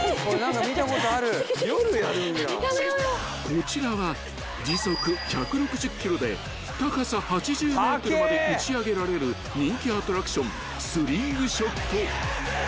［こちらは時速１６０キロで高さ８０ｍまで打ち上げられる人気アトラクション］